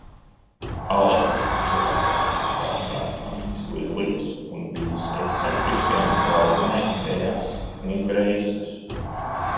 Alekss ievācas pie savas vecmāmiņas Lillijas un viņas ekscentriskajām draudzenēm Beas un Greisas.